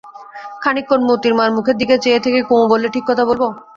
খানিকক্ষণ মোতির মার মুখের দিকে চেয়ে থেকে কুমু বললে, ঠিক কথা বলব?